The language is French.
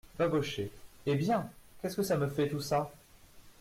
Babochet Eh bien ! qu'est-ce que ça me fait, tout ça ?